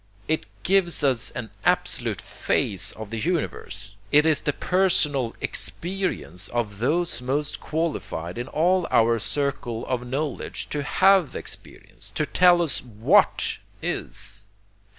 It gives us an absolute phase of the universe. It is the personal experience of those most qualified in all our circle of knowledge to HAVE experience, to tell us WHAT is.